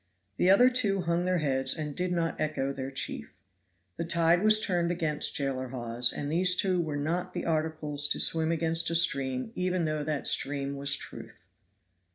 The other two hung their heads and did not echo their chief. The tide was turned against Jailer Hawes, and these two were not the articles to swim against a stream even though that stream was truth.